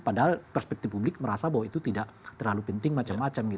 padahal perspektif publik merasa bahwa itu tidak terlalu penting macam macam